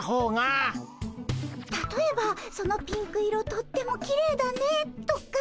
たとえば「そのピンク色とってもきれいだね」とか。